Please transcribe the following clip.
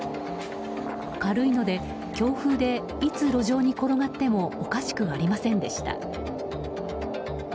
軽いので、強風でいつ路上に転がってもおかしくありませんでした。